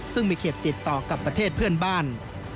ซึ่งมีเขตติดต่อกับประเทศเพื่อนบ้าน